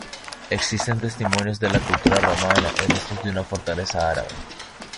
Existen testimonios de la cultura romana y restos de una fortaleza árabe.